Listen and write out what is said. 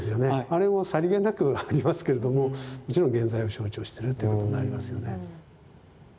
あれもさりげなくありますけれどももちろん原罪を象徴してるということになりますよね。